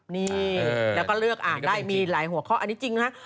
นี่แล้วก็เลือกอ่านได้มีหลายหัวข้ออันนี้จริงนะฮะ